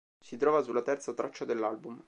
Si trova sulla terza traccia dell'album.